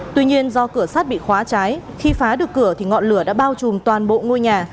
tuy nhiên do cửa sắt bị khóa cháy khi phá được cửa thì ngọn lửa đã bao trùm toàn bộ ngôi nhà